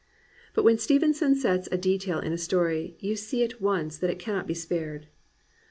But when Stevenson sets a detail in a story you see at once that it cannot be spared.